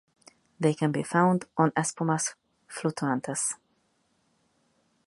They can be found on "Espumas Flutuantes".